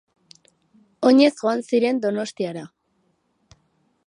Oinez joan ziren Donostiara.